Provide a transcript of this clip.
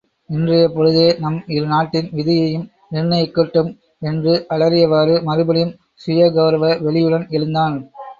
இன்றைய பொழுதே நம் இருநாட்டின் விதியையும் நிர்ணயிக்கட்டும்! என்று அலறியவாறு, மறுபடியும் சுயகெளரவ வெளியுடன் எழுந்தான்.